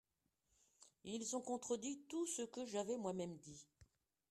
Ils ont contredit tout ce que j'avais moi-même dit.